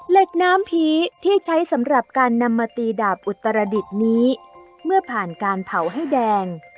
เหล็กน้ำผีที่ใช้สำหรับการนำมาตีดาบอุตรดิษฐ์นี้เมื่อผ่านการเผาให้แดง